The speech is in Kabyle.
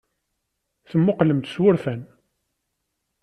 Temmuqqlem-tt s wurfan.